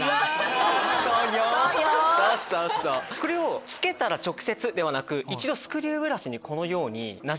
これをつけたら直接ではなく一度スクリューブラシにこのように。